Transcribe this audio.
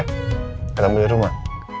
ketemu di rumah